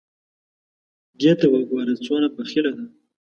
دې ته وګوره څونه بخیله ده !